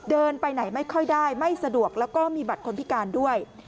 เดินไปไหนไม่ค่อยได้ไม่สะดวกแล้วก็มีบัตรคนพิการด้วย